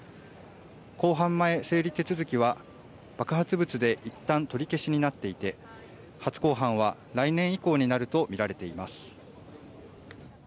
公判前整理手続きは爆発物でいったん取り消しになっていて初公判は来年以降になるとみられています。